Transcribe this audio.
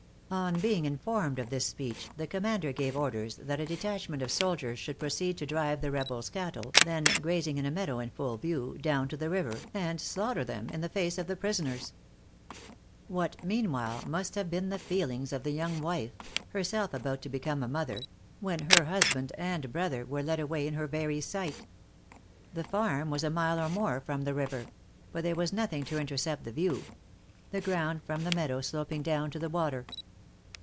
_" On being informed of this speech, the commander gave orders that a detachment of soldiers should proceed to drive the rebel's cattle, then grazing in a meadow in full view, down to the river, and slaughter them in the face of the prisoners. What, meanwhile, must have been the feelings of the young wife herself about to become a mother when her husband and brother were led away in her very sight? The farm was a mile or more from the river; but there was nothing to intercept the view the ground from the meadow sloping down to the water.